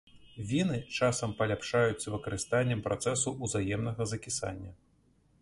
Віны часам паляпшаюць з выкарыстаннем працэсу узаемнага закісання.